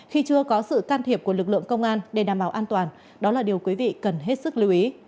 khi chưa có sự can thiệp của lực lượng công an để đảm bảo an toàn đó là điều quý vị cần hết sức lưu ý